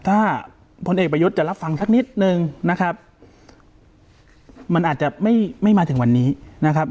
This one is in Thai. ถ้าพลเอกประยุทธ์จะรับฟังสักนิดนึงนะครับมันอาจจะไม่มาถึงวันนี้นะครับ